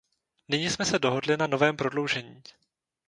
Nyní jsme se dohodli na novém prodloužení.